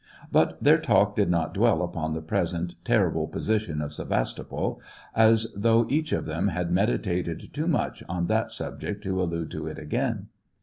But their talk did not dwell upon the present terrible position of Sevastopol, as though each of them had meditated too much on that sub ject to allude to it again.